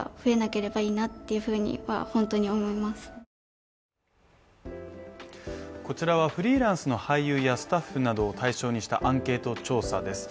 映画俳優を志す生徒たちはこちらはフリーランスの俳優やスタッフなどを対象にしたアンケート調査です